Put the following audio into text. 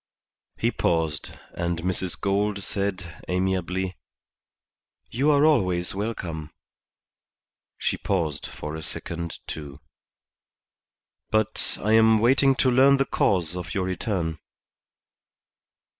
He paused and Mrs. Gould said, amiably, "You are always welcome." She paused for a second, too. "But I am waiting to learn the cause of your return."